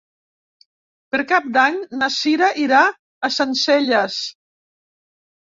Per Cap d'Any na Sira irà a Sencelles.